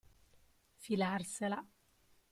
Filarsela.